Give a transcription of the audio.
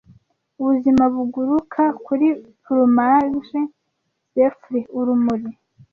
Ubuzima buguruka kuri plumage, zephyr-urumuri,